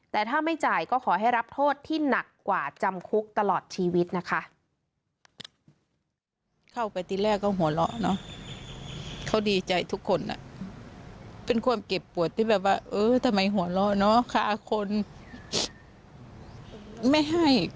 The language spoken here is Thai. แต่ถ้าไม่จ่ายก็ขอให้รับโทษที่หนักกว่าจำคุกตลอดชีวิตนะคะ